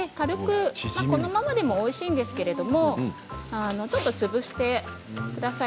このままでもおいしいんですけどちょっと潰してください。